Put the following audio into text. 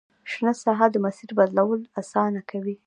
شنه ساحه د مسیر بدلول اسانه کوي